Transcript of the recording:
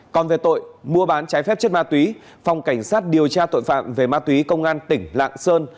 còn về tội mua bán trái phép chất ma túy phòng cảnh sát điều tra tội phạm về ma túy công an tỉnh lạng sơn